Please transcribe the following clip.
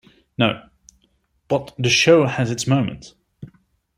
No, but the show has its moments.